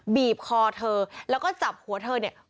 บีบคอเธอแล้วก็จับหัวเธอเนี่ย